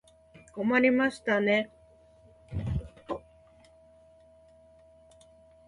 困りましたね。